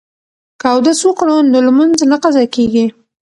که اودس وکړو نو لمونځ نه قضا کیږي.